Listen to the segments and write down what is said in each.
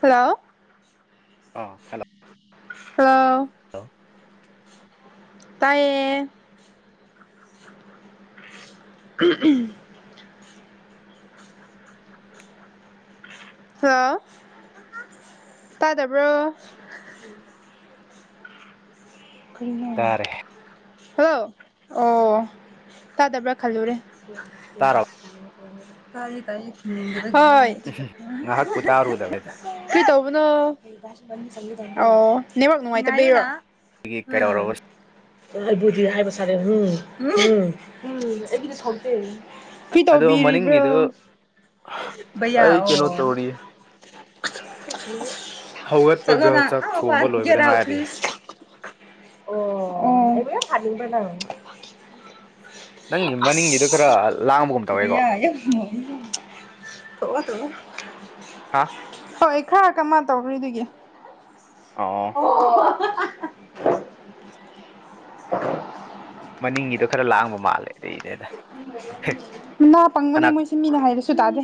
hello ꯑꯥ hello hello ꯇꯥꯏꯌꯦ ꯎꯃꯝ ꯍꯜꯂꯣ ꯇꯥꯗꯕ꯭ꯔꯣ ꯇꯥꯔꯦ ꯍꯜꯂꯣ ꯑꯣ ꯇꯥꯗꯕ꯭ꯔꯥ ꯈꯜꯂꯨꯔꯦ ꯇꯥꯔꯕ ꯍꯣꯏ [inaudible] ꯉꯥꯏꯍꯥꯛꯄꯨ ꯇꯥꯔꯨꯗꯕꯅꯤꯗ ꯀꯔꯤ ꯇꯧꯕꯅꯣ ꯑꯣ ꯅꯦꯕꯥꯛ ꯅꯨꯡꯉꯥꯏꯇꯕꯤꯔꯣ ꯑꯩꯒꯤ ꯎꯝ ꯀꯩꯗꯧꯔꯕ [unintelligible] ꯎꯝ ꯎꯝ ꯀꯨꯏ ꯑꯗꯣ ꯃꯅꯤꯡꯒꯤꯗꯨ ꯇꯧꯕꯤꯔꯤꯕ꯭ꯔꯣ ꯚꯩꯌꯥ ꯑꯩ ꯑꯣ ꯀꯩꯅꯣ ꯇꯧꯔꯤ ꯍꯧꯒꯠꯄꯒ ꯆꯂꯣꯗ ꯆꯥꯛ ꯊꯣꯡꯕ ꯑꯥꯎꯄꯒꯦ ꯂꯣꯏꯕꯗ ꯔꯥꯎ ꯉꯥꯏꯔꯤ ꯄ꯭ꯂꯤꯁ ꯑꯣ ꯑꯩꯕꯨꯥ ꯐꯜꯨꯡꯕ ꯅꯪꯒꯤ ꯑ ꯃꯅꯤꯡꯒꯤꯗꯣ ꯈꯔ ꯂꯥꯡꯕꯒꯨꯝ ꯇꯧꯋꯦꯀꯣ ꯩꯌꯥ [unintelligible] ꯍꯥ ꯍꯣꯏ ꯈꯔ ꯀꯃꯥꯏꯅ ꯇꯧꯔꯤ ꯑꯗꯨꯒꯤ ꯑ [unintelligible] [inaudible] ꯃꯅꯤꯡꯒꯤꯗꯣ ꯈꯔ ꯂꯥꯡꯕ ꯃꯥꯜꯂꯦ ꯑꯗꯨꯗꯩꯅꯦꯗ ꯅꯥ ꯄꯪꯕꯅꯦ ꯃꯣꯏꯁꯦ ꯃꯤꯅ ꯍꯥꯏꯕꯁꯨ ꯇꯥꯗꯦ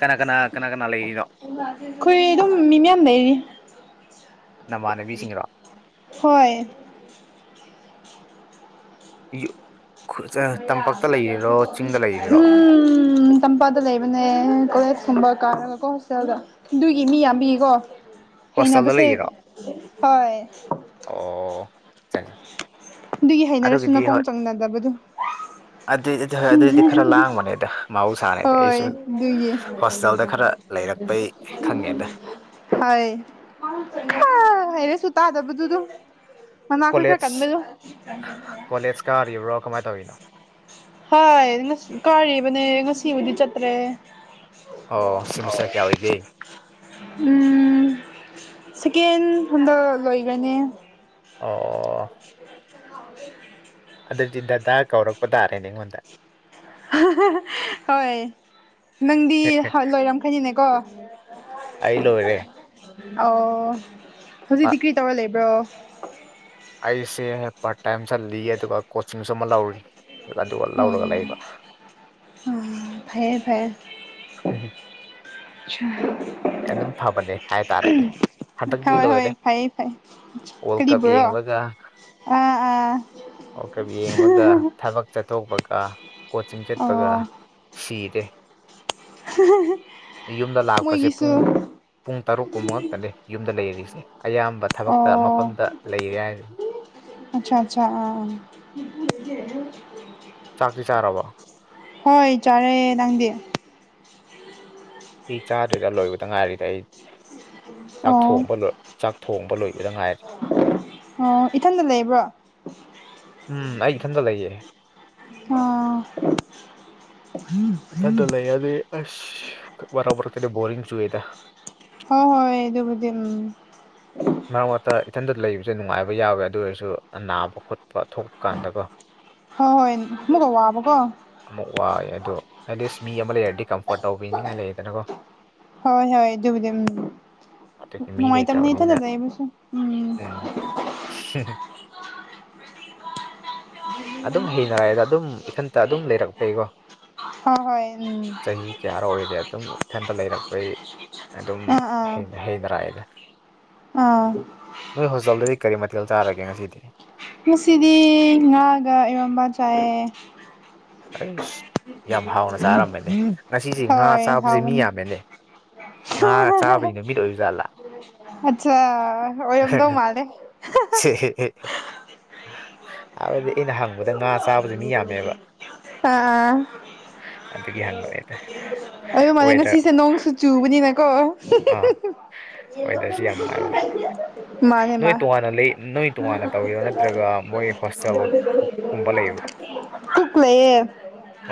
ꯀꯅꯥ ꯀꯅꯥ ꯀꯅꯥ ꯀꯅꯥ ꯂꯩꯔꯤꯅꯣ ꯑꯗꯨꯝ ꯃꯤ ꯃꯌꯥꯝ ꯂꯩꯔꯤ ꯅꯃꯥꯟꯅꯕꯤꯁꯤꯡꯔꯣ ꯍꯣꯏ [unintelligible] ꯇꯝꯄꯥꯛꯇ ꯂꯩꯔꯤꯔꯣ ꯆꯤꯡꯗ ꯂꯩꯔꯤꯔꯣ ꯎꯝ ꯇꯥꯝꯄꯥꯗ ꯂꯩꯕꯅꯦ ꯀꯣꯂꯦꯖꯀꯨꯝꯕ ꯀꯥꯔꯒꯀꯣ ꯍꯣꯁꯇꯦꯜꯒ ꯑꯗꯨꯒꯤ ꯃꯤ ꯌꯥꯝꯕꯤꯌꯦꯀꯣ ꯍꯦꯅ ꯍꯣꯁꯇꯦꯜꯗ ꯄꯁꯦ ꯂꯩꯔꯤꯔꯣ ꯍ ꯑꯣ ꯆꯪ ꯑꯗꯨꯒꯤ ꯍꯩꯅꯔꯁꯨ ꯅꯀꯣꯡ ꯆꯪꯅꯗꯕꯗꯨ ꯑꯗꯨꯏꯗꯤ ꯍꯣꯏ ꯑꯗꯨꯏꯗꯤ ꯈꯔ ꯂꯥꯡꯕꯅꯦꯗ ꯃꯍꯧꯁꯥꯅꯦꯗꯤ ꯍꯣꯏ ꯑꯩꯁꯨ ꯑꯗꯨꯒꯤ ꯍꯣꯁꯇꯦꯜꯗ ꯈꯔ ꯂꯩꯔꯛꯄꯩ ꯈꯪꯉꯦꯗ ꯍꯅꯦ ꯁꯨ ꯇꯗꯗꯨ ꯇꯨ ꯃꯅꯅꯥꯈꯣꯏ ꯀꯌꯥ ꯀꯣꯂꯦꯖ ꯀꯗꯗꯣ ꯀꯣꯂꯦꯖ ꯀꯥꯔꯤꯕ꯭ꯔꯣ ꯀꯃꯥꯏ ꯇꯧꯔꯤꯅꯣ ꯍꯥꯏ ꯉꯁꯤ ꯀꯥꯔꯤꯕꯅꯦ ꯉꯁꯤꯕꯨꯗꯤ ꯆꯠꯇ꯭ꯔꯦ ꯑꯣ ꯁꯤꯃꯤꯁꯇꯔ ꯀꯌꯥ ꯑꯣꯏꯒꯦ [unintelligible] ꯎꯝ ꯁꯦꯀꯦꯟ ꯍꯟꯗ ꯂꯣꯏꯈ꯭ꯔꯅꯦ ꯑꯣ [inaudible] ꯑꯗꯨꯗꯤ ꯗꯗꯥ ꯀꯧꯔꯛꯄ ꯇꯥꯔꯦꯅꯦ ꯑꯩꯉꯣꯟꯗ ꯍꯣꯏ ꯅꯪꯗꯤ ꯂꯣꯏꯔꯝꯈꯩꯅꯤꯅꯦꯀꯣ ꯑꯂꯣꯔꯦ ꯑꯣ ꯍꯧꯖꯤꯛꯇꯤ ꯀ꯭ꯔꯤ ꯇꯧꯔ ꯂꯩꯕ꯭ꯔꯣ ꯑꯩꯁꯦ ꯄꯥꯔꯠ ꯇꯥꯏꯝ ꯆꯠꯂꯤ ꯑꯗꯨꯒ ꯀꯣꯆꯤꯡꯁꯨ ꯑꯃ ꯂꯧꯔꯤ ꯑꯗꯨꯒ ꯂꯧꯔꯒ ꯂꯩꯕ ꯑꯣ ꯐꯔꯦ ꯐꯔꯦ ꯑꯗꯨꯝ ꯐꯕꯅꯦ ꯍꯥꯏꯇꯥꯔꯦꯅꯦ ꯍꯟꯗꯛꯇꯤ ꯍꯣꯏ ꯍꯣꯏ ꯂꯣꯏꯔꯦ ꯐꯩꯌꯦ ꯐꯩꯌꯦ ꯋꯥꯔꯜ ꯀꯞ ꯀꯔꯤꯕꯨꯔꯣ ꯌꯦꯡꯂꯒ ꯑꯥ ꯑꯥ ꯑꯣꯀ ꯌꯦꯡꯉꯒ ꯊꯕꯛ ꯆꯠꯊꯣꯛꯄꯒ ꯀꯣꯆꯤꯡ ꯆꯠꯄꯒ ꯑꯣ ꯁꯤꯔꯦ ꯌꯨꯝꯗ ꯂꯥꯛꯄꯁꯦ ꯃꯣꯏꯣꯏꯒꯤ ꯄꯨꯡ ꯄꯨꯡ ꯇꯔꯨꯛ ꯀꯨꯃ ꯉꯛꯇꯅꯦ ꯌꯨꯝꯗ ꯂꯩꯔꯤꯁꯦ ꯑꯌꯥꯝꯕ ꯊꯕꯛꯇ ꯃꯐꯝꯗ ꯂꯩꯔꯦ ꯍꯥꯏꯔꯤꯅꯦ ꯑꯆꯥ ꯑꯆꯥ ꯑꯥꯥ ꯆꯥꯛꯇꯤ ꯆꯥꯔꯕꯣ ꯍꯣꯏ ꯆꯥꯔꯦ ꯅꯪꯗꯤ ꯁꯤ ꯆꯥꯗꯣꯏꯗ ꯂꯣꯏꯕꯗ ꯉꯥꯏꯔꯤꯗ ꯑꯩ ꯆꯥꯛ ꯑꯣ ꯊꯣꯡꯕ ꯂ ꯆꯥꯛ ꯊꯣꯡꯕ ꯂꯣꯏꯕꯗ ꯉꯥꯏꯔꯦ ꯑꯣ ꯏꯊꯟꯗ ꯂꯩꯕ꯭ꯔꯣ ꯎꯝ ꯑꯩ ꯏꯊꯟꯇ ꯂꯩꯌꯦ ꯑ ꯊꯟꯗ ꯂꯩ ꯑꯗꯨ ꯑ ꯔꯕꯔ ꯣꯔꯤꯡꯁꯨꯨꯋꯗ ꯍꯣꯏ ꯍꯣꯏ ꯑꯩꯗꯨꯕꯨꯗꯤ ꯎꯝ ꯃꯔꯛ ꯃꯔꯛꯇ ꯏꯊꯟꯇ ꯂꯩꯕꯁꯦ ꯅꯨꯡꯉꯥꯏꯕ ꯌꯥꯎꯋꯦ ꯑꯗꯨ ꯑꯣꯏꯔꯁꯨ ꯑ ꯅꯥꯕ ꯈꯣꯠꯄ ꯊꯣꯛꯄ ꯀꯥꯟꯗꯀꯣ ꯍꯣꯏ ꯃꯨ ꯀ ꯋꯥꯕꯣ ꯀꯣ ꯑꯃꯨꯛ ꯋꯥꯏ ꯑꯗꯣ ꯑꯦꯠꯂꯤꯁ ꯃꯤ ꯑꯃ ꯂꯩꯔꯗꯤ ꯀꯝꯐꯣꯔꯠ ꯇꯧꯕꯤꯅꯤꯡꯉꯥꯏ ꯂꯩꯌꯦꯗꯅꯀꯣ ꯍꯣꯏ ꯍꯣꯏ ꯑꯗꯨꯕꯨꯗꯤ ꯎꯝ ꯑꯗꯨꯗꯤ ꯃꯤ ꯅꯨꯡꯉꯥꯏꯇꯝꯅꯤ ꯂꯩꯇ꯭ꯔꯕꯅꯤꯅ ꯏꯊꯟꯇ ꯂꯩꯕꯁꯨ ꯎꯝ ꯑꯗꯨꯝ ꯍꯩꯅꯔꯛꯑꯦꯗ ꯑꯗꯨꯝ ꯏꯊꯟꯇ ꯑꯗꯨꯝ ꯂꯩꯔꯛꯄꯩꯀꯣ ꯍꯣꯏ ꯍꯣꯏ ꯎꯝ ꯆꯍꯤ ꯀꯌꯥꯔ ꯑꯣꯏꯔꯦ ꯑꯗꯨꯝ ꯏꯊꯟꯇ ꯂꯩꯔꯛꯄꯩ ꯑꯗꯨꯝ ꯑꯥ ꯑꯥ ꯍꯩꯗꯔꯥꯑꯗ ꯑꯥ ꯅꯣꯏ ꯍꯣꯁꯇꯦꯜꯗꯗꯤ ꯀꯔꯤ ꯃꯊꯦꯜ ꯆꯥꯔꯒꯦ ꯉꯁꯤꯗꯤ ꯉꯁꯤꯗꯤ ꯉꯥꯒ ꯏꯔꯣꯝꯕ ꯆꯥꯏꯑꯌꯦ ꯑꯩꯁ ꯌꯥꯝ ꯍꯥꯎꯅ ꯆꯥꯔꯝꯕꯅꯦ ꯉꯁꯤꯁꯦ ꯉꯥ ꯆꯥꯕꯕꯖꯦ ꯃꯤ ꯌꯥꯝꯃꯦꯅꯦ ꯉꯥ ꯆꯥꯕꯒꯤ ꯅꯨꯃꯤꯠ ꯑꯣꯏꯕꯖꯥꯠꯂꯥ ꯑꯆꯥ ꯑꯣꯏꯔꯝꯗꯧ ꯃꯥꯜꯂꯦ ꯑꯍꯦ ꯍꯥꯏꯕꯗꯤ ꯑꯩꯅ ꯍꯪꯕꯗ ꯉꯥ ꯆꯥꯕꯖꯤ ꯃꯤ ꯌꯥꯝꯃꯦꯕ ꯑ ꯑ ꯑꯗꯨꯒꯤ ꯍꯪꯕꯅꯦꯗ ꯑꯗꯨ ꯃꯥꯅꯦ ꯋꯦꯗꯔ ꯉꯁꯤꯁꯦ ꯅꯣꯡꯁꯨ ꯆꯨꯕꯅꯤꯅꯥꯀꯣ ꯑꯥ ꯋꯦꯗꯔꯁꯤ ꯌꯥꯝ ꯅꯨꯡꯉꯥꯏꯕ ꯃꯥꯜꯂꯦ [unintelligible] ꯃꯥꯅꯦ ꯅꯣꯏ ꯃꯥ ꯇꯣꯉꯥꯟꯅ ꯂꯩ ꯅꯣꯏ ꯇꯣꯉꯥꯟꯅ ꯇꯧꯔꯤꯔꯣ ꯅꯠꯇ꯭ꯔꯒ ꯃꯣꯏ ꯍꯣꯁꯇꯦꯜ ꯀꯨ- ꯀꯨꯝꯕ ꯂꯩꯕ꯭ꯔꯣ [unintelligible] ꯀꯨꯛ ꯂꯩꯌꯦ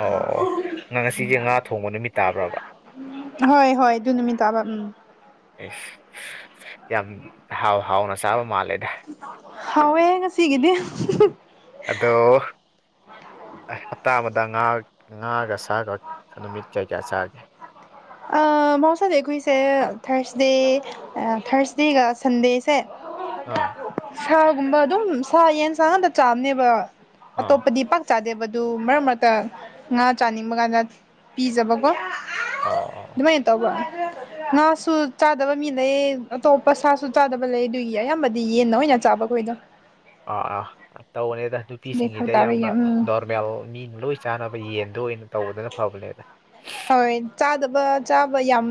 ꯑꯣ ꯉ- ꯉꯁꯤꯁꯦ ꯉꯥ ꯊꯣꯡꯕ ꯅꯨꯃꯤꯠ ꯇꯥꯕ꯭ꯔꯕ ꯍꯣꯏ ꯍꯣꯏ ꯑꯗꯨ ꯅꯨꯃꯤꯠ ꯇꯥꯕ ꯎꯝ ꯑꯩꯁ ꯌꯥꯝ ꯍꯥꯎ ꯍꯥꯎꯅ ꯆꯥꯕ ꯃꯥꯜꯂꯦꯗ ꯍꯥꯎꯌꯦ ꯉꯥꯁꯤꯒꯤꯗꯤ ꯑꯗꯣ ꯑꯩ ꯍꯞꯇꯥ ꯑꯃꯗ ꯉꯥ ꯉꯥꯡꯒꯁ ꯁꯥꯒ ꯅꯨꯃꯤꯠ ꯀꯌꯥ ꯀꯌꯥ ꯆꯥꯔꯒꯦ ꯑ ꯃꯍꯧꯁꯥꯅꯥ ꯑꯩꯈꯣꯏꯁꯦ ꯊꯔꯁꯗꯦ ꯊꯔꯁꯗꯦꯒ ꯁꯟꯗꯦ ꯁꯥ ꯑꯥ ꯁꯥꯒꯨꯝꯕ ꯑꯗꯨꯝ ꯁꯥ ꯌꯦꯟꯁꯥꯡꯗ ꯆꯥꯕꯅꯦꯕ ꯑꯥ ꯑꯇꯣꯞꯄꯗꯤ ꯄꯥꯛ ꯆꯥꯗꯦꯕꯗꯨ ꯃꯔꯛ ꯃꯔꯛꯇ ꯉꯥ ꯆꯥꯅꯤꯡꯕ ꯀꯥꯟꯗ ꯄꯤꯖꯕꯀꯣ ꯑꯣ ꯑꯣ ꯑꯗꯨꯃꯥꯏ ꯇꯧꯕ ꯉꯥꯁꯨ ꯆꯥꯗꯕ ꯃꯤ ꯂꯩ ꯑꯇꯣꯞꯄ ꯁꯥꯁꯨ ꯆꯥꯗꯕ ꯂꯩ ꯑꯗꯨꯒꯤ ꯑꯌꯥꯝꯕꯗꯤ ꯌꯦꯟꯅ ꯑꯣꯏꯅ ꯆꯥꯕꯈꯣꯏꯗꯣ ꯑꯥ ꯑꯥ ꯇꯧꯕꯅꯦꯗ ꯑꯗꯨꯏ ꯅꯨꯄꯤꯁꯤꯡꯒꯤꯗꯤ ꯐꯔꯛ ꯇꯥꯕꯒꯤ ꯑꯌꯥꯝꯕ ꯎꯝ ꯅꯣꯔꯃꯦꯜ ꯃꯤꯅ ꯂꯣꯏ ꯆꯥꯅꯕ ꯌꯦꯟꯗꯣ ꯑꯣꯏꯅ ꯇꯧꯕꯗꯅ ꯐꯕꯅꯦꯗ ꯍꯣꯏ ꯆꯥꯗꯕ ꯆꯥꯕ ꯌꯥꯝ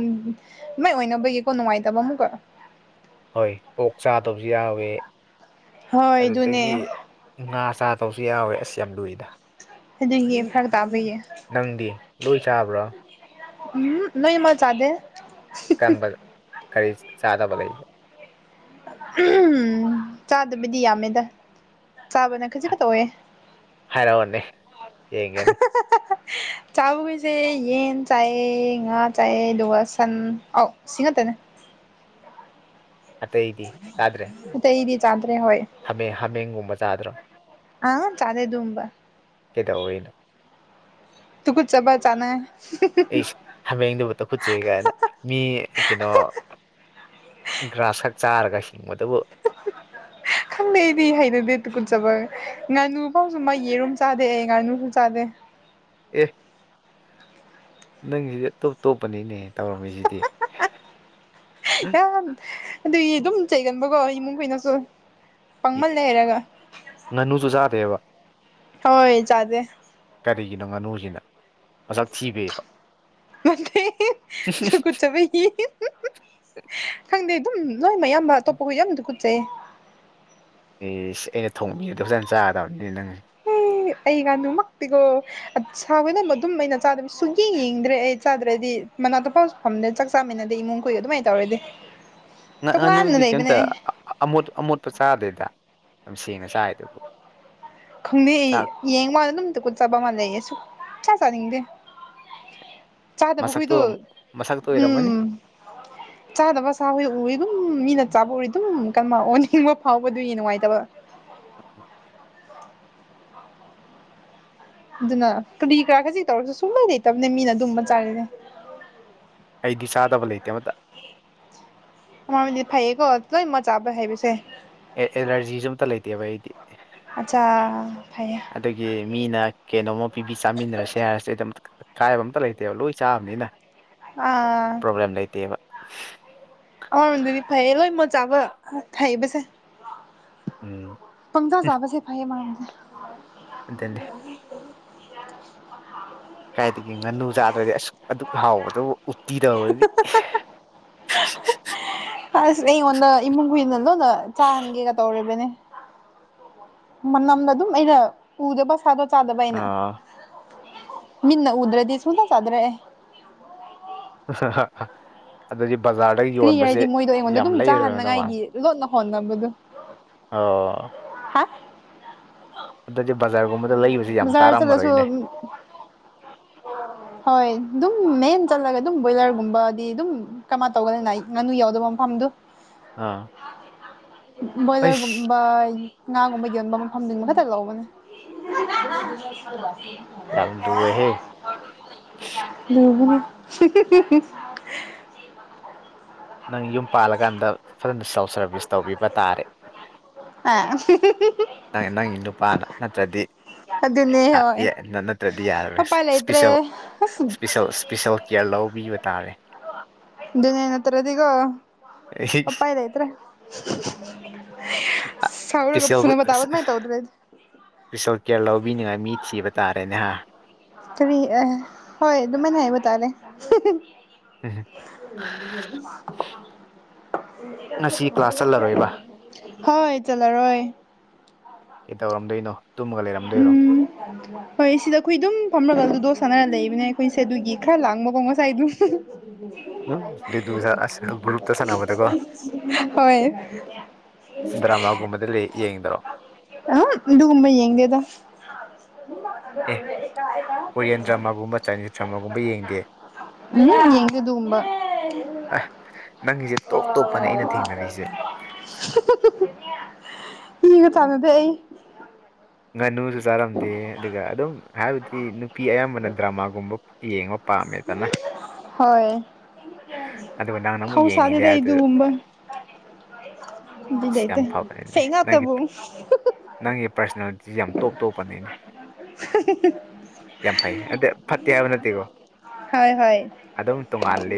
ꯃꯣꯏ ꯑꯣꯏꯅꯕꯒꯤꯀꯣ ꯅꯨꯡꯉꯥꯏꯇꯕ ꯑꯃꯨꯛꯀ ꯍꯣꯏ ꯄꯣꯛ ꯆꯥꯗꯕꯖꯨ ꯌꯥꯎꯋꯦ ꯍꯣꯏ ꯑꯗꯨꯅꯦ ꯑꯗꯨꯗꯒꯤ ꯉꯥ ꯆꯥ ꯇꯧꯁꯨ ꯌꯥꯎꯋꯦ ꯑꯁ ꯌꯥꯝ ꯂꯨꯏꯗ ꯑꯗꯨꯒꯤ ꯐꯔꯛ ꯇꯥꯕꯩꯌꯦ ꯅꯪꯗꯤ ꯂꯣꯏ ꯆꯥꯕ꯭ꯔꯣ ꯎꯝ ꯅꯣꯏꯃꯥ ꯆꯥꯗꯦ ꯀꯟꯕ ꯀꯔꯤ ꯆꯥꯗꯕ ꯂꯩꯒꯦ ꯑꯍꯥꯝ ꯆꯥꯗꯕꯤꯗꯤ ꯌꯥꯝꯃꯦꯗ ꯆꯥꯕꯅ ꯈꯖꯤꯛ ꯍꯥ- ꯈꯛꯇ ꯑꯣꯏꯦ ꯍꯥꯏꯔꯛꯑꯣꯅꯦ ꯌꯦꯡꯒꯦꯅꯦ ꯍꯥ ꯍꯥ ꯍꯥ ꯆꯥꯕꯈꯣꯏꯁꯦ ꯌꯦꯟ ꯆꯥꯏꯌꯦ ꯉꯥ ꯆꯥꯏꯌꯦ ꯑꯗꯨꯒ ꯁꯟ ꯑꯣꯛ ꯁꯤ ꯉꯥꯛꯇꯅꯦ ꯑꯇꯩꯗꯤ ꯆꯥꯗ꯭ꯔꯦ ꯆꯩꯗꯤ ꯆꯥꯗ꯭ꯔꯦ ꯍꯣꯏ ꯍꯥꯃꯦ ꯍꯥꯃꯦꯡꯒꯨꯝꯕ ꯆꯥꯗ꯭ꯔꯣ ꯑꯪ ꯆꯥꯗꯦ ꯗꯨꯒꯨꯝꯕ ꯀꯩꯗꯧꯔꯤꯅꯣ ꯇꯨꯒꯨꯠꯆꯕ ꯖꯥꯠꯅꯦ ꯏꯁ ꯍꯥꯃꯦꯡꯗꯨꯕꯨ ꯇꯀꯨꯠꯆꯩ ꯒꯥꯏꯅ ꯃꯤ ꯀꯩꯅꯣ ꯒ꯭ꯔꯥꯁ ꯈꯛ ꯆꯥꯔꯒ ꯍꯤꯡꯕꯗꯨꯕꯨ [unintelligible] ꯈꯪꯗꯦ ꯑꯩꯗꯤ ꯍꯩꯅꯗꯦ ꯇꯨꯀꯨꯠꯆꯕ ꯉꯥꯅꯨ ꯐꯥꯎꯁꯨ ꯃꯥ ꯌꯦꯔꯨꯝ ꯆꯥꯗꯦ ꯑꯦ ꯉꯥꯅꯨꯁꯨ ꯆꯥꯗꯦ ꯑꯦ ꯅꯪꯖꯤꯗꯤ ꯑꯇꯣꯞꯇꯣꯞꯄꯅꯤꯅꯦ ꯇꯧꯔꯝꯃꯤꯁꯤꯗꯤ ꯌꯥꯝ ꯑꯗꯨꯒꯤ ꯑꯗꯨꯝ ꯆꯩꯒꯟꯕꯀꯣ ꯏꯃꯨꯡꯈꯣꯏꯅꯁꯨ ꯏ- ꯄꯪꯃꯜꯂꯦ ꯍꯩꯔꯒ ꯉꯥꯅꯨꯁꯨ ꯆꯥꯗꯦꯕ ꯍꯣꯏ ꯆꯥꯗꯦ ꯀꯔꯤꯒꯤꯅꯣ ꯉꯥꯅꯨꯖꯤꯅ ꯃꯁꯛ ꯊꯤꯕꯩꯔꯣ ꯅꯠꯇꯦ [unintelligible] ꯈꯪꯗꯦ ꯑꯗꯨꯝ ꯂꯣꯏꯃꯌꯥꯝꯕ ꯑꯇꯣꯞꯄ ꯈꯣꯏ ꯌꯥꯝ ꯇꯨꯀꯨꯠꯆꯩꯌꯦ ꯏꯁ ꯑꯩꯅ ꯊꯣꯡꯕꯤꯕꯗ ꯐꯖꯅ ꯆꯥꯒꯗꯕꯅꯤꯅꯦ ꯅꯪ ꯍꯩ ꯑꯩ ꯉꯥꯅꯨꯃꯛꯇꯤꯀꯣ ꯑꯠꯁ ꯍꯥꯎꯋꯦꯅ ꯃꯗꯨꯝ ꯑꯩꯅ ꯆꯥꯗꯕꯩ ꯁꯨꯛꯌꯦꯡ ꯌꯦꯡꯗ꯭ꯔꯦ ꯑꯩ ꯆꯥꯗ꯭ꯔꯗꯤ ꯃꯅꯥꯛꯇꯐꯥꯎ ꯐꯝꯗꯦ ꯆꯥꯛ ꯆꯥꯃꯤꯟꯅꯗꯦ ꯏꯃꯨꯡ ꯈꯣꯏꯒ ꯑꯗꯨꯃꯥꯏ ꯇꯧꯔꯗꯤ ꯉꯥ ꯇꯣꯉꯥꯟꯅ ꯉꯥꯅꯨꯗꯤ ꯂꯩꯕꯅꯦ ꯀꯩꯝꯇ ꯑꯩ ꯑ ꯑꯃꯣꯠ ꯑꯃꯣꯠꯄ ꯆꯥꯗꯦꯗ ꯌꯥꯝ ꯁꯦꯡꯅ ꯆꯥꯏꯗꯨꯕꯨ ꯈꯪꯗꯦ ꯆꯥꯛ ꯌꯦꯡꯕꯗ ꯑꯗꯨꯝ ꯇꯨꯀꯨꯠꯆꯕ ꯑꯃ ꯂꯩꯌꯦ ꯁꯨꯛꯆꯥ ꯆꯥꯅꯤꯡꯗꯦ ꯆꯥꯗꯕ ꯃꯁꯛꯇꯣ ꯍꯣꯏꯗꯣ ꯃꯁꯛꯇꯣ ꯑꯣꯏꯔꯝꯃꯅꯤ ꯎꯝ ꯆꯥꯗꯕ ꯁꯥꯍꯣꯏ ꯎꯋꯦ ꯑꯗꯨꯝ ꯃꯤꯅ ꯆꯥꯕ ꯎꯔ‌ꯦ ꯑꯗꯨꯝ ꯀꯝꯃ ꯑꯣꯅꯤꯡꯕ ꯐꯥꯎꯕꯗꯨꯏ ꯅꯨꯡꯉꯥꯏꯇꯕ [unintelligible] ꯑꯗꯨꯅ ꯀꯔꯤ ꯀꯔꯥ ꯈꯖꯤꯛ ꯇꯧꯔꯁꯨ ꯁꯨꯡꯂꯧ ꯂꯩꯇꯕꯅꯦ ꯃꯤꯅ ꯑꯗꯨꯝꯕ ꯆꯥꯔꯗꯤ ꯑꯩꯗꯤ ꯆꯥꯗꯕ ꯂꯩꯇꯦ ꯑꯃꯇ ꯃꯥꯎꯗꯤ ꯐꯩꯌꯦꯀꯣ ꯂꯣꯏꯃꯛ ꯆꯥꯕ ꯍꯥꯏꯕꯁꯦ ꯑꯦ ꯑꯦꯂꯔꯖꯤꯖꯨ ꯑꯝꯇ ꯂꯩꯇꯦꯕ ꯑꯩꯗꯤ ꯑꯁꯥ ꯐꯩꯌꯦ ꯑꯗꯨꯒꯤ ꯃꯤꯅ ꯀꯩꯅꯣꯝꯃ ꯄꯤꯕꯤ ꯆꯥꯃꯤꯟꯅꯔꯁꯦ ꯍꯥꯏꯔꯁꯨ ꯑꯗꯨꯝ ꯀꯥꯏꯕ ꯑꯝꯇ ꯂꯩꯇꯦꯕ ꯂꯣꯏ ꯆꯥꯕꯅꯤꯅ ꯑꯥ ꯑꯝ ꯂꯩꯇꯦꯕ ꯑꯃꯔꯣꯝꯗꯗꯤ ꯐꯩꯌꯦ ꯂꯣꯏꯃꯛ ꯆꯥꯕ ꯍꯩꯕꯁꯦ ꯎꯝ ꯄꯪꯆꯥ ꯆꯥꯕꯁꯦ ꯐꯩꯌꯦ ꯑꯃꯔꯣꯝꯗꯤ ꯑꯗꯨꯅꯦ ꯀꯥꯏꯗꯒꯤ ꯉꯥꯅꯨ ꯆꯥꯗ꯭ꯔꯗꯤ ꯑꯁ ꯑꯗꯨꯛ ꯍꯥꯎꯕꯗꯨꯕꯨ ꯎꯇꯤ ꯇꯧꯔꯗꯤ ꯑꯁ ꯑꯩꯉꯣꯟꯗ ꯏꯃꯨꯡ ꯈꯣꯏꯅ ꯂꯣꯏꯅ ꯆꯥꯍꯟꯒꯦꯒ ꯇꯧꯔꯤꯕꯅꯦ ꯃꯅꯝꯗ ꯑꯗꯨꯝ ꯑꯩꯅ ꯎꯗꯕ ꯁꯥꯗ ꯆꯥꯗꯕ ꯑꯩꯅ ꯑꯥ ꯃꯤꯠꯅ ꯎꯗ꯭ꯔꯗꯤ ꯁꯨꯡꯆꯥ ꯆꯥꯗ꯭ꯔꯦ ꯑꯩ ꯑꯗꯨꯗꯤ ꯕꯖꯥꯔ ꯀꯩꯔꯤ ꯍꯥꯏꯗꯤ ꯃꯣꯏꯗꯣ ꯑꯩꯉꯣꯟꯗ ꯑꯗꯨꯝ ꯃꯥꯜꯂꯦ ꯆꯥꯍꯟꯅꯉꯥꯏꯒꯤ ꯂꯣꯠꯅ ꯍꯣꯠꯅꯕꯗꯣ ꯑꯣ ꯍꯥ [unintelligible] ꯑꯗꯨꯗꯤ ꯕꯖꯥꯔꯕꯧ ꯕꯖꯥꯔ ꯆꯠꯂꯁꯨ ꯍꯣꯏ ꯑꯗꯨꯝ ꯃꯦꯟ ꯆꯠꯂꯒ ꯑꯗꯨꯝ ꯕꯣꯏꯂꯔꯒꯨꯝꯕꯗꯤ ꯑꯗꯨꯝ ꯀꯃꯥꯏ ꯇꯧꯒꯅꯤꯅꯥꯏ ꯉꯥꯅꯨ ꯌꯥꯎꯗꯕ ꯃꯐꯝꯗꯨ ꯑꯥ ꯑꯩꯁ ꯕꯣꯏꯂꯔꯒꯨꯝꯕ ꯉꯥꯒꯨꯝꯕ ꯌꯣꯟꯕ ꯃꯐꯝ ꯈꯛꯇ ꯂꯧꯕꯅꯦ [unintelligible] ꯌꯥꯝ ꯂꯨꯢꯍꯦ [inaudible] ꯅꯪ ꯌꯨꯝ ꯄꯥꯜꯂꯀꯥꯟꯗ ꯐꯖꯅ ꯁꯦꯜꯐ ꯁꯔꯚꯤꯁ ꯇꯧꯕꯤꯕ ꯇꯥꯔꯦ ꯑꯥ ꯅꯪ ꯅꯪꯒꯤ ꯅꯨꯄꯥꯅ ꯅꯠꯇ꯭ꯔꯗꯤ ꯑꯗꯨꯅꯦ ꯑ ꯍꯣꯏ ꯑꯦ ꯅ ꯅꯠꯇ꯭ꯔꯗꯤ ꯌꯥꯔꯔꯣꯏ ꯁ ꯎꯄꯥꯏ ꯂꯩꯇ꯭ꯔꯦ ꯁ꯭ꯄꯤꯁꯦꯜ ꯑꯁ ꯁ꯭ꯄꯤꯁꯦꯜ ꯁ꯭ꯄꯤꯁꯦꯜ ꯀ꯭ꯌꯥꯔ ꯂꯧꯕꯤꯕ ꯇꯥꯔꯦ ꯑꯗꯨꯅ‌ꯦ‌ ꯅꯠꯇꯔꯥꯗꯤꯀꯣ ꯎꯄꯥꯏ ꯂꯩꯇ꯭ꯔꯦ ꯁꯥꯎꯔꯒ ꯐꯨꯅꯕ ꯇꯥꯕ ꯑꯗꯨꯃꯥꯏ ꯇꯧꯗꯔꯥꯗꯤ ꯏꯁꫭꯔ ꯀꯦꯌꯔ ꯂꯧꯕꯤꯅꯤꯉꯥꯏ ꯃꯤ ꯊꯤꯕ ꯇꯥꯔꯦꯅꯦꯍꯥ ꯀꯔꯤ ꯑ ꯍꯣꯏ ꯑꯗꯨꯃꯥꯏꯅ ꯍꯥꯏꯕ ꯇꯥꯔꯦ ꯎ [inaudible] ꯎꯝ ꯉꯁꯤ ꯀ꯭ꯂꯥꯁ ꯆꯠꯂꯔꯣꯏꯕ ꯍꯣꯏ ꯆꯠꯂꯔꯣꯏ ꯀꯩ ꯇꯧꯔꯝꯗꯣꯏꯅꯣ ꯎꯝ ꯍꯣꯏ ꯁꯤꯗ ꯑꯩꯈꯣꯏ ꯑꯗꯨꯝ ꯐꯝꯃꯒ ꯑꯗꯨꯗꯣ ꯁꯥꯟꯅꯔ ꯂꯩꯕꯅꯦ ꯑꯩꯈꯣꯏꯁꯦ ꯑꯗꯨꯒꯤ ꯈꯔ ꯂꯥꯡꯕꯀꯣ ꯉꯁꯥꯏ ꯑꯗꯨꯝ ꯂꯨꯗꯨꯗ ꯑꯁ ꯒ꯭ꯔꯨꯞꯇ ꯁꯥꯟꯅꯕꯗꯀꯣ ꯍꯣꯏ ꯗ꯭ꯔꯃꯥꯒꯨꯝꯕꯗ ꯌꯦꯡꯗ꯭ꯔꯣ ꯑꯨꯝ ꯑꯗꯨꯒꯨꯝꯕ ꯌꯦꯡꯗꯦꯗ ꯑꯦ ꯀꯣꯔꯤꯌꯟ ꯗ꯭ꯔꯃꯥꯒꯨꯝꯕ ꯆꯥꯏꯅꯤꯁ ꯗ꯭ꯔꯃꯥꯒꯨꯝꯕ ꯌꯦꯡꯗꯦ ꯑꯗꯨ ꯑꯦ [inaudible] ꯎꯝ ꯌꯦꯡꯗꯦ ꯑꯗꯨꯒꯨꯝꯕ ꯑ ꯅꯪꯁꯦ ꯇꯣꯞ ꯇꯣꯞꯄꯅꯦ ꯑꯩꯅ ꯊꯦꯡꯅꯔꯤꯁꯦ ꯃꯤꯒꯥ ꯆꯥꯅꯗꯦ ꯑꯩ ꯉꯥꯅꯨꯁꯨ ꯆꯥꯔꯝꯗꯦ ꯑꯗꯨꯒ ꯑꯗꯨꯝ ꯍꯥꯏꯕꯗꯤ ꯅꯨꯄꯤ ꯑꯌꯥꯝꯕꯅ ꯗ꯭ꯔꯃꯥꯒꯨꯝꯕ ꯌꯦꯡꯉ ꯍꯣꯏ ꯑꯗꯨꯒ ꯅꯪꯅ ꯑꯃꯨꯛ ꯊꯥꯎ ꯌꯦꯡꯅꯤꯡꯗꯦ ꯁꯥꯗꯦꯗ ꯑꯩ ꯍꯥꯏꯕꯗꯨꯗ ꯑꯗꯨꯒꯨꯝꯕ ꯕꯤꯠ ꯑꯁ ꯌꯥꯝ ꯂꯩꯇꯦ ꯐꯕꯅꯤꯅꯦ ꯐꯦꯡ ꯅꯪꯒꯤ ꯉꯥꯛꯇꯕꯨ ꯅꯪꯒꯤ ꯄꯥꯔꯁꯅꯦꯜꯂꯤꯇꯤꯁꯤ ꯌꯥꯝ ꯇꯣꯞ ꯇꯣꯞꯄꯅꯤꯅꯦ [inaudible] ꯌꯥꯝ ꯐꯩ ꯑꯗ ꯐꯠꯇꯦ ꯍꯥꯏꯕ ꯅꯠꯇꯦꯀꯣ ꯍꯣꯢ ꯍꯣꯢ ꯑꯗꯨꯝ ꯇꯣꯉꯥꯜꯂꯤ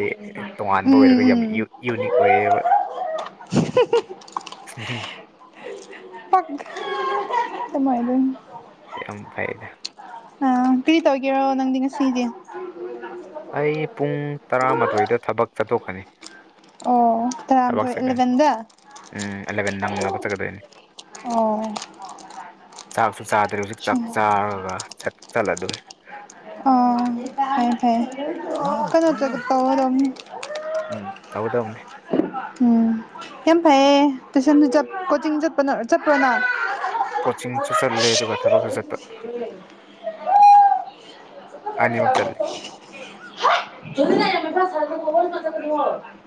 ꯇꯣꯉꯥꯟꯕ ꯎꯝ ꯑꯣꯏꯔꯒ ꯌꯥꯝ ꯎꯝ ꯌꯨ- ꯌꯨꯅꯤꯛ ꯑꯣꯏꯌꯦꯕ [inaudible] ꯍꯨꯝ [inaudible] ꯄꯒ [inaudible] ꯃꯥꯏ ꯑꯗꯨ [inaudible] ꯌꯥꯝ ꯐꯩꯗ ꯑ ꯀꯔꯤ ꯇꯧꯒꯦꯔꯣ ꯅꯪꯗꯤ ꯉꯁꯤꯗꯤ ꯎ [inaudible] ꯑꯩ ꯄꯨꯡ ꯇꯔꯥꯃꯥꯊꯣꯏꯗ ꯊꯕꯛ ꯆꯠꯊꯣꯛꯀꯅꯤ ꯑꯣ ꯊꯕꯛ ꯇꯔꯥꯃꯊꯣꯏ ꯆꯠꯀꯅꯤ ꯏꯂꯚꯦꯟꯗ ꯎꯝ ꯑꯦꯂꯕꯦꯟ ꯅꯪꯅꯕ ꯆꯠꯀꯗꯣꯏꯅꯤ ꯑꯣ ꯆꯥꯛꯁꯨ ꯆꯥꯗ꯭ꯔꯦ ꯍꯧꯖꯤꯛ ꯆꯥꯛ ꯆꯥꯔꯒ ꯆꯠꯂꯗꯣꯏꯅꯦ ꯑꯣ ꯐꯩꯌꯦ ꯐꯩꯌꯦ ꯀꯩꯅꯣ ꯇꯧ ꯎꯝ ꯇꯥꯎꯒꯗꯧꯅꯤ ꯎꯝ ꯌꯥꯝ ꯐꯩꯌꯦ ꯇꯨꯏꯁꯟ ꯀꯣꯆꯤꯡ ꯆꯠꯄ ꯆꯠꯄ꯭ꯔꯣ ꯅꯪ ꯀꯣꯆꯤꯡꯁꯨ ꯆꯠꯂꯦ ꯑꯗꯨꯒ ꯊꯕꯛꯁꯨ ꯆꯠꯄ [inaudible] ꯑꯅꯤꯃꯛ [unintelligible] [unintelligible]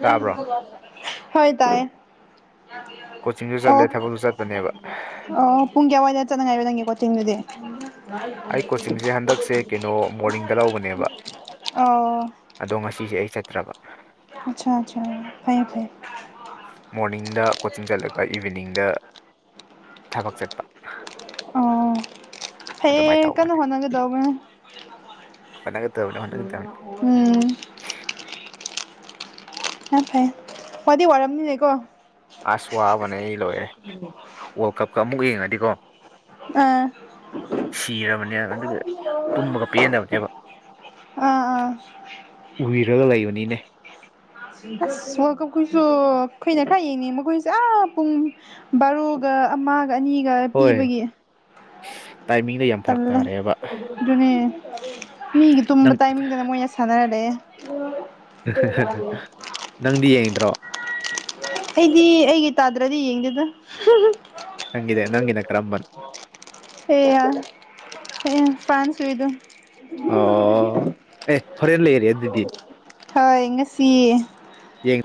ꯇꯥꯕ꯭ꯔꯣ ꯍ ꯇꯥꯏ ꯀꯣꯆꯤꯡꯁꯨ ꯑꯣ ꯆꯠꯂꯦ ꯊꯕꯛꯁꯨ ꯆꯠꯄꯅꯦꯕ ꯑꯣ ꯄꯨꯡ ꯀ ꯑꯋꯥꯏꯗ ꯆꯠꯅꯉꯥꯏꯕ ꯅꯪꯉꯦꯀꯣ ꯇꯤꯟꯗꯨꯗꯤ ꯕꯣꯔꯗꯤꯡꯗ ꯂꯧꯕꯅꯦꯕ ꯑꯣ ꯑꯗꯣ ꯉꯁꯤꯁꯦ ꯑꯩ ꯆꯠꯇ꯭ꯔꯕ ꯑꯆꯥ ꯑꯆꯥ ꯐꯌꯦ ꯐꯩꯦ ꯃꯣꯔꯅꯤꯡꯗ ꯀꯣꯆꯤꯡ ꯆꯠꯂꯒ ꯏꯚꯤꯅꯤꯡꯗ ꯊꯕꯛ ꯆꯠꯄ ꯑꯣ ꯑꯗꯨꯃꯥꯏꯅ ꯐꯩꯌꯦ ꯀꯟꯅ ꯇꯧꯕꯅꯦ ꯍꯣꯠꯅꯒꯗꯧꯕꯅꯤ ꯍꯣꯠꯅꯥꯀꯗꯕꯅꯤ ꯍꯣꯠꯅꯀꯥꯗꯕꯅꯤ ꯎꯝ ꯑꯥ ꯐꯩ ꯋꯥꯗꯤ ꯋꯥꯔꯝꯅꯤꯅꯦ ꯀꯣ ꯑꯁ ꯋꯥꯕꯅ ꯑꯩ ꯂꯣꯏꯔꯦ ꯋꯥꯔꯜ ꯀꯞꯀ ꯑꯃꯨꯛ ꯌꯦꯡꯉꯗꯤꯀꯣ ꯑꯥ ꯁꯤꯔꯕꯅꯦ ꯑꯗꯨꯒꯤ ꯇꯨꯝꯕꯒ ꯄꯦꯟꯗꯕꯅꯦꯕ ꯑꯥ ꯑꯥ ꯎꯏꯔꯒ ꯂꯩꯕꯅꯤꯅꯦ ꯑꯁ ꯋꯥꯔꯜ ꯀꯞꯈꯣꯏꯁꯨ ꯀꯩꯅ ꯈꯥꯏꯌꯦꯡꯅꯦ ꯃꯈꯣꯏꯁꯦ ꯑꯥ ꯄꯨꯡ ꯕꯥꯔꯣꯒ ꯑꯃꯒ ꯑꯅꯤꯒ ꯄꯤꯕꯒꯤ ꯇꯥꯏ ꯃꯤ ꯂꯩ ꯌꯥꯝ ꯐꯔꯛ ꯇꯂꯦ ꯇꯥꯔꯦꯕ ꯑꯗꯨꯅꯦ ꯃꯤꯒꯤ ꯇꯨꯝꯕ ꯅꯪ ꯇꯥꯏꯃꯤꯡꯗꯅ ꯃꯣꯏ ꯁꯅꯔ ꯂꯩ ꯅꯪꯗꯤ ꯌꯦꯡꯗ꯭ꯔꯣ ꯑꯩꯗꯤ ꯑꯩꯒꯤ ꯇꯥꯗ꯭ꯔꯗꯤ ꯌꯦꯡꯗꯦꯗꯅ ꯅꯪꯗꯦ ꯅꯪꯤꯟ ꯀ꯭ꯔꯝꯕꯟ ꯍ ꯌꯥꯔ ꯄꯁꯨꯕꯤꯗꯨ ꯑꯣ ꯑꯦ ꯍꯣꯔꯦꯟ ꯂꯩꯔꯦ ꯑꯗꯨꯗꯤ ꯍꯣꯏ ꯉꯁꯤ ꯌꯦꯡ